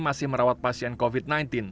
masih merawat pasien covid sembilan belas